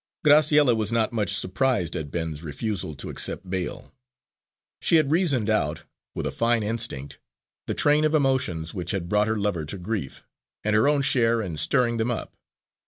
Graciella was not so much surprised at Ben's refusal to accept bail. She had reasoned out, with a fine instinct, the train of emotions which had brought her lover to grief, and her own share in stirring them up.